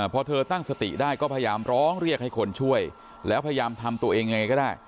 พอเธอตั้งสติได้ก็พยายามร้องเรียกให้คนช่วยแล้วพยายามทำตัวเองยังไงก็ได้